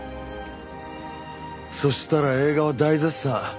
そしたら映画は大絶賛。